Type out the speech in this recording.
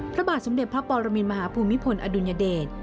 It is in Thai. พระบาทสมเด็จพระปรมินมหาภูมิพลอดุลยเดช